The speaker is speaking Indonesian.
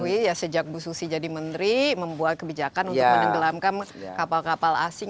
iya dan kita ketahui ya sejak bususi jadi menteri membuat kebijakan untuk menenggelamkan kapal kapal asing yang berpengaruh dengan kemampuan ini